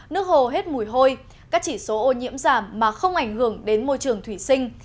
nước hồ hết mùi hôi các chỉ số ô nhiễm giảm mà không ảnh hưởng đến môi trường thủy sinh